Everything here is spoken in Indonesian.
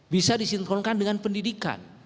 bisa disinkronkan dengan pendidikan